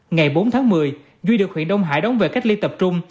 ngày bốn tháng một mươi duy được huyện đông hải đóng về cách ly tập trung